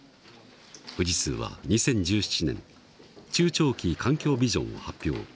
富士通は２０１７年中長期環境ビジョンを発表。